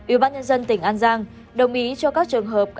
ủy ban nhân dân tỉnh an giang đồng ý cho các trường hợp